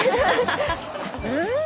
うん！